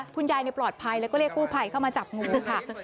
คุณยายปลอดภัยแล้วก็เรียกกู้ภัยเข้ามาจับงูค่ะ